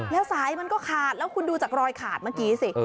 แล้วสายมันก็ขาดแล้วคุณดูจากรอยขาดเมื่อกี้สิ